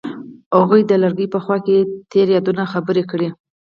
هغوی د لرګی په خوا کې تیرو یادونو خبرې کړې.